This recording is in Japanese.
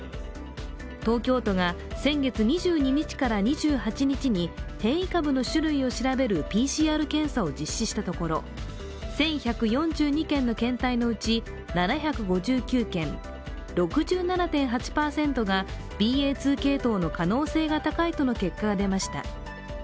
東京都が先月２２日から２８日に変異株の種類を調べるＰＣＲ検査を実施したところ、１１４２件の検体のうち７５９件、６７．８％がＢＡ．２系統の可能性が高いと結果が出ました。